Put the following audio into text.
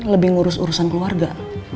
lebih ngurus urusan keluarga